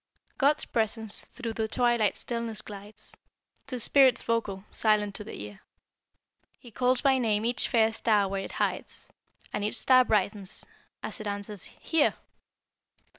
God's presence through the twilight stillness glides, To spirits vocal silent to the ear; He calls by name each fair star where it hides, And each star brightens, as it answers 'Here!'